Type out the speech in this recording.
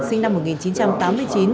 sinh năm một nghìn chín trăm tám mươi chín